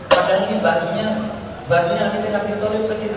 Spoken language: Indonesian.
padahal ini bajunya bajunya tidak ditulis segitu